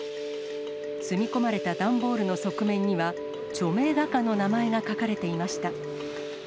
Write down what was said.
積み込まれた段ボールの側面には、著名画家の名前が書かれていました。